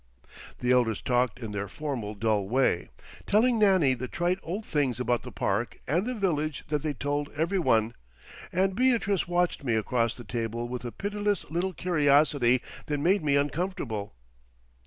The elders talked in their formal dull way—telling Nannie the trite old things about the park and the village that they told every one, and Beatrice watched me across the table with a pitiless little curiosity that made me uncomfortable.